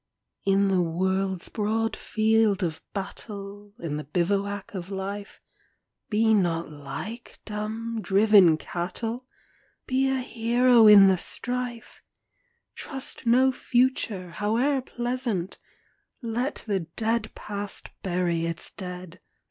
In the world's broad field of battle, In the bivouac of Life, Be not like dumb, driven cattle ! Be a hero in the strife ! Trust no Future, howe'er pleasant ! Let the dead Past bury its dead